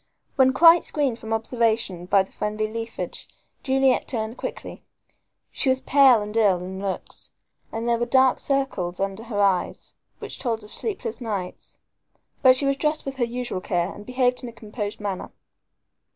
When quite screened from observation by the friendly leafage, Juliet turned quickly. She was pale and ill in looks, and there were dark circles under her eyes which told of sleepless nights. But she was dressed with her usual care and behaved in a composed manner.